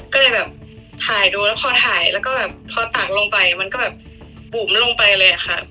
ก็เลยแบบถ่ายดูแล้วพอถ่ายแล้วก็แบบพอตักลงไปมันก็แบบบุ๋มลงไปเลยค่ะ